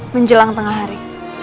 menjelang tengah hari